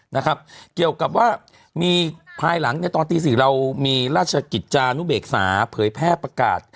นะครับเกี่ยวกับว่ามีภายหลังเนี่ยตอนตีสี่เรามีราชกิจจานุเบกษาเผยแพร่ประกาศ